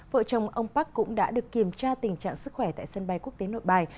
vợ chồng ông park cũng đã được kiểm tra tình trạng sức khỏe tại sân bay quốc tế nội bài